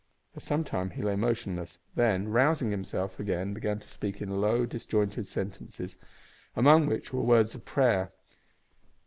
For some time he lay motionless; then, rousing himself, again began to speak in low, disjointed sentences, among which were words of prayer.